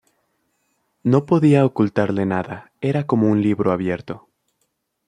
No podía ocultarle nada, era como un libro abierto